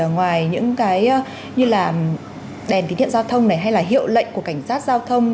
ngoài những cái như là đèn tín hiệu giao thông này hay là hiệu lệnh của cảnh sát giao thông